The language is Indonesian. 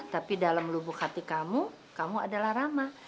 tapi dalam lubuk hati kamu kamu adalah ramah